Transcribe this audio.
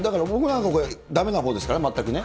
だから僕なんかこれ、だめなほうですから、全くね。